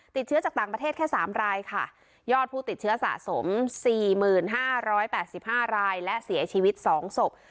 ติดเชื้อจากต่างประเทศแค่สามรายค่ะยอดผู้ติดเชื้อสะสมสี่หมื่นห้าร้อยแปดสิบห้ารายและเสียชีวิตสองศพ